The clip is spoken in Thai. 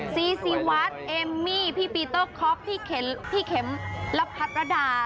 ซีซีวัดเอมมี่พี่ปีเตอร์คอปพี่เข็มและพัดระดา